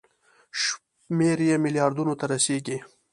شمېر یې ملیاردونو ته رسیږي.